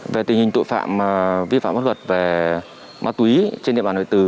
về tình hình tội phạm vi phạm văn hợp về ma túy trên địa bàn huyện đại từ